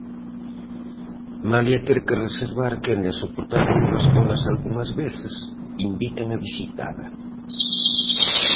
Malia ter que reservar quenda e soportar longas colas algunhas veces, invitan a visitala.